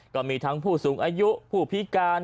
ก็มีทั้งผู้สูงอายุผู้พิการ